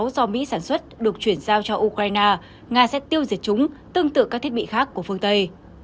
do mỹ sản xuất được chuyển giao cho ukraine nga sẽ tiêu diệt chúng tương tự các thiết bị khác của phương tây